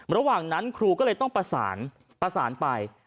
ระหว่างนั้นครูก็เลยต้องประสานประสานไป